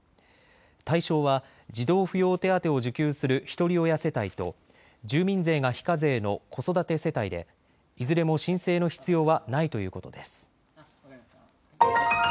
対象は児童扶養手当を受給するひとり親世帯と住民税が非課税の子育て世帯で、いずれも申請の必要はないということです。